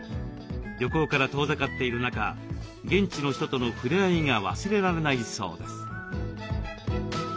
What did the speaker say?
旅行から遠ざかっている中現地の人との触れ合いが忘れられないそうです。